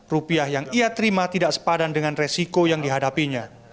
rupiah yang ia terima tidak sepadan dengan resiko yang dihadapinya